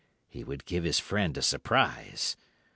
He would give his friend a surprise.